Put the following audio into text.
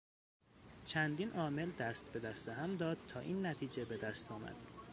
چندین عامل دست به دست هم داد تا این نتیجه به دست آمد.